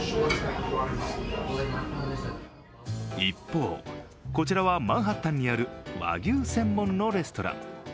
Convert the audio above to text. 一方こちらは、マンハッタンにある和牛専門のレストラン。